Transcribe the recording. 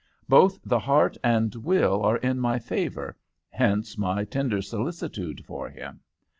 Both the heart and will are in my favor, hence my tender solicitude for him.